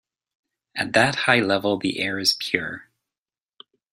At that high level the air is pure.